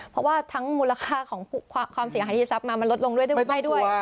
เพราะว่าทั้งมูลค่าของความเสียหายที่ทรัพย์มามันลดลงด้วยมือไพ่ด้วย